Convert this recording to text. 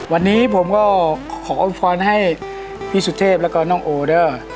วันนี้ผมก็ขออวยพรให้พี่สุเทพแล้วก็น้องโอเดอร์